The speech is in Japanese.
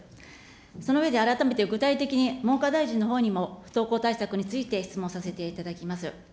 その上で改めて、具体的に文科大臣のほうにも、不登校対策について質問させていただきます。